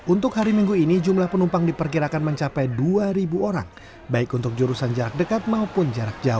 untuk hari minggu ini jumlah penumpang diperkirakan mencapai dua orang baik untuk jurusan jarak dekat maupun jarak jauh